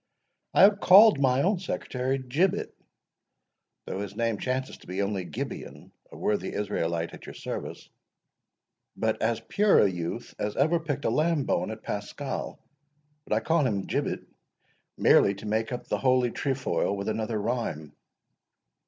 I have called my own secretary Gibbet, though his name chances to be only Gibeon, a worthy Israelite at your service, but as pure a youth as ever picked a lamb bone at Paschal. But I call him Gibbet, merely to make up the holy trefoil with another rhyme.